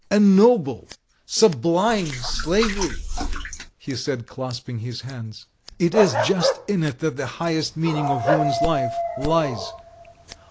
"A noble, sublime slavery!" he said, clasping his hands. "It is just in it that the highest meaning of woman's life lies!